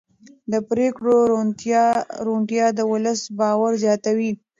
د پرېکړو روڼتیا د ولس باور زیاتوي